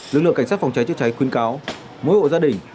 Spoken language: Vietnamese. lực lượng cảnh sát phòng cháy chữa cháy khuyên cáo mỗi hộ gia đình